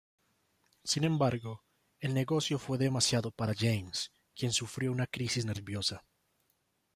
Sin embargo, el negocio fue demasiado para James, quien sufrió una crisis nerviosa.